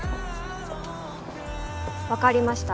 わかりました。